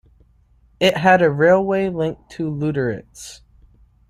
It had a railway link to Lüderitz.